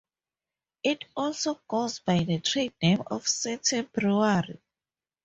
It also goes by the trade name of City Brewery.